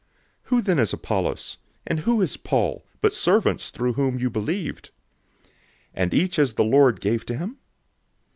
003:005 Who then is Apollos, and who is Paul, but servants through whom you believed; and each as the Lord gave to him?